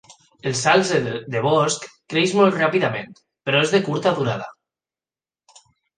El salze de bosc creix molt ràpidament, però és de curta durada.